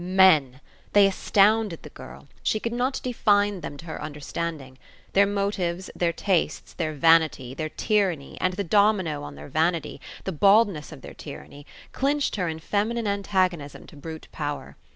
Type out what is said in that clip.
men! They astounded the girl; she could not define them to her understanding. Their motives, their tastes, their vanity, their tyranny, and the domino on their vanity, the baldness of their tyranny, clinched her in feminine antagonism to brute power.